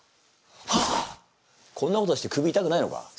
こんなことして首いたくないのか？